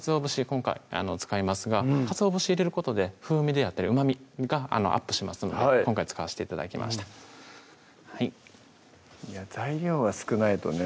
今回使いますがかつお節入れることで風味であったりうまみがアップしますので今回使わして頂きました材料が少ないとね